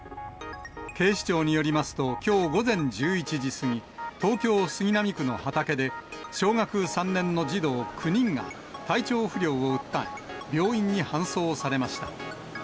警視庁によりますと、きょう午前１１時過ぎ、東京・杉並区の畑で、小学３年の児童９人が、体調不良を訴え、病院に搬送されました。